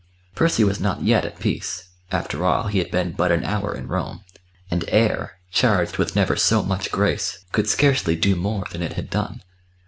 Percy was not yet at peace after all, he had been but an hour in Rome; and air, charged with never so much grace, could scarcely do more than it had done.